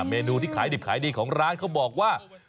เมนูที่ขายดิบขายดีของร้านเขาบอกว่า